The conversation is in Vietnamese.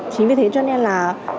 chính vì thế cho nên là